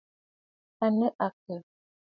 À nɨ̂ àkə̀?